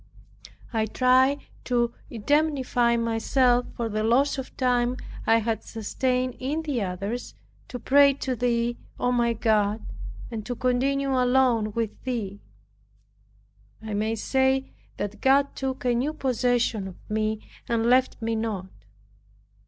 I tried to indemnify myself for the loss of time I had sustained in the others, to pray to Thee, O my God, and to continue alone with Thee. I may say that God took a new possession of me, and left me not.